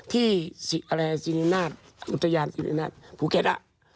ที่สินินาทอุตยานสินินาทภูเก็ตอ่ะ